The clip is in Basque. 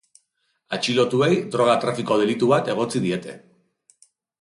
Atxilotuei droga trafiko delitu bat egotzi diete.